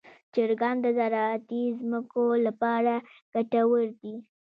چرګان د زراعتي ځمکو لپاره ګټور دي.